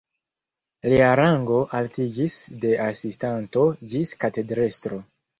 Lia rango altiĝis de asistanto ĝis katedrestro.